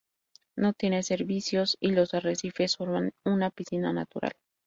No tiene servicios y los arrecifes forman una piscina natural.